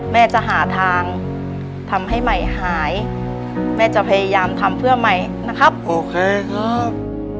แม่จะหาทางทำให้ใหม่หายแม่จะพยายามทำเพื่อใหม่นะครับโอเคครับ